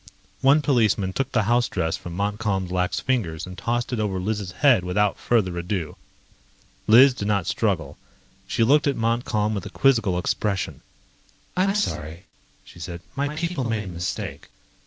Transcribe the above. One policeman took the house dress from Montcalm's lax fingers and tossed it over Liz' head without further ado. Liz did not struggle. She looked at Montcalm with a quizzical expression. "I'm sorry," she said. "My people made a mistake.